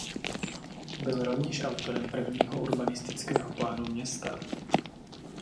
Byl rovněž autorem prvního urbanistického plánu města.